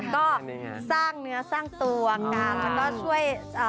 ก็สร้างเนื้อสร้างตัวค่ะ